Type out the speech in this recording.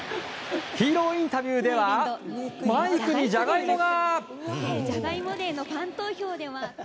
ヒーローインタビューではマイクにじゃがいもが。